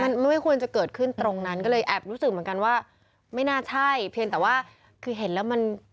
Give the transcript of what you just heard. มันไม่ควรจะเกิดขึ้นตรงนั้นก็เลยแอบรู้สึกเหมือนกันว่าไม่น่าใช่เพียงแต่ว่าคือเห็นแล้วมัน